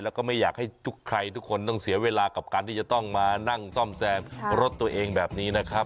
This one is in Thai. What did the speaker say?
แล้วก็ไม่อยากให้ทุกใครทุกคนต้องเสียเวลากับการที่จะต้องมานั่งซ่อมแซมรถตัวเองแบบนี้นะครับ